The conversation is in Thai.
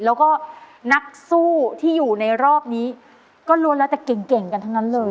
แล้วก็นักสู้ที่อยู่ในรอบนี้ก็ล้วนแล้วแต่เก่งกันทั้งนั้นเลย